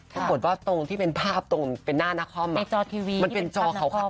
ถ้าบทว่าตรงที่เป็นภาพตรงเป็นหน้าน้าคอมในจอทีวีมันเป็นจอเขาค่ะ